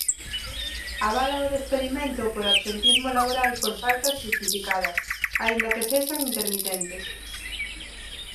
Avala o despedimento por absentismo laboral por faltas xustificadas, aínda que sexan intermitentes.